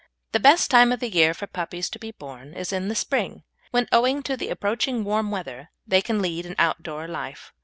The best time of the year for puppies to be born is in the spring, when, owing to the approaching warm weather, they can lead an outdoor life.